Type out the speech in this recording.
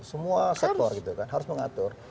semua sektor gitu kan harus mengatur